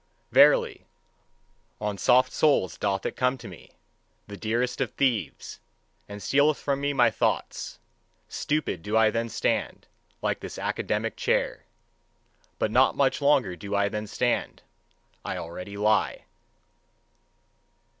Verily, on soft soles doth it come to me, the dearest of thieves, and stealeth from me my thoughts: stupid do I then stand, like this academic chair. But not much longer do I then stand: I already lie.